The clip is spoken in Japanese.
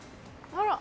あら。